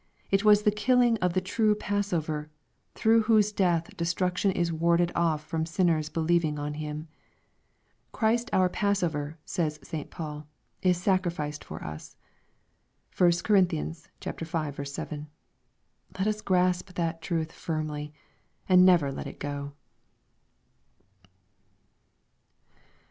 It was the killing of the true passover, through whose death destruction is warded off from sinners believing on Him. ^* Christ our passover," says St. Paul, " is sacrificed for us." (1 Cor. v. 7.) Let us grasp that truth firmly, and never let it go.